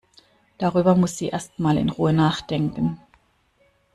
Darüber muss sie erst mal in Ruhe nachdenken.